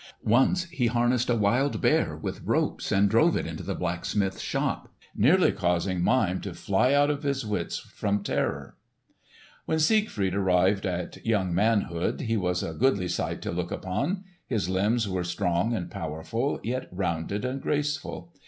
Once he harnessed a wild bear with ropes and drove it into the blacksmith's shop, nearly causing Mime to fly out of his wits from terror. When Siegfried arrived at young manhood he was a goodly sight to look upon. His limbs were strong and powerful, yet rounded and graceful.